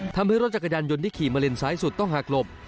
ทำให้รถจักรยานยนต์ที่ขี่มาเลนซ้ายสุดต้องหักหลบ